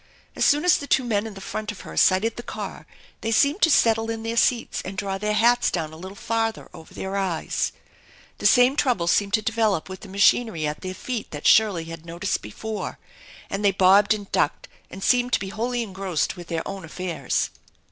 As soon as the two men in front of her sighted the car, they seemed to settle in their Beats and draw their hats down, a little farther over then THE ENCHANTED BARN 255 yes. The same trouble seemed to develop with the machinery at their feet that Shirley had noticed before, and they bobbed and ducked and seemed to be wholly engrossed with their own affairs.